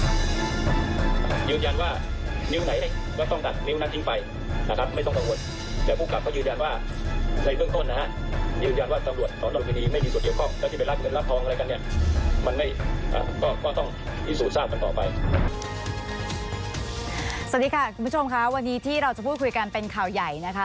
สวัสดีค่ะคุณผู้ชมค่ะวันนี้ที่เราจะพูดคุยกันเป็นข่าวใหญ่นะคะ